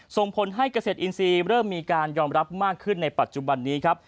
ส่งผลให้เกษตรอินทรีย์เริ่มมีการยอมรับมากขึ้นในปัจจุบันนี้ครับ